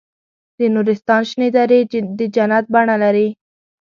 د نورستان شنې درې د جنت بڼه لري.